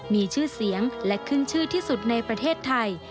มีชื่อเสียงและขึ้นชื่อที่สุดในประเทศไทย